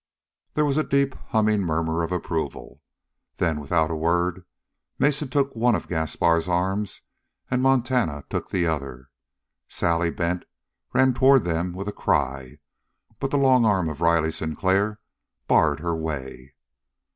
There was a deep and humming murmur of approval. Then, without a word, Mason took one of Gaspar's arms and Montana took the other. Sally Bent ran forward at them with a cry, but the long arm of Riley Sinclair barred her way.